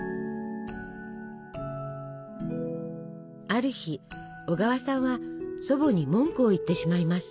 ある日小川さんは祖母に文句を言ってしまいます。